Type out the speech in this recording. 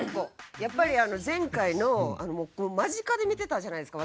やっぱり、前回を間近で見てたじゃないですか。